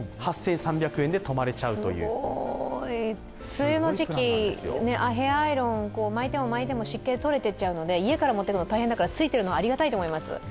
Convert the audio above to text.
梅雨の時期、ヘアアイロン、巻いても巻いても湿気でとれていっちゃうので、家から持っていくのは大変だから、ついているの、ありがたいと思います。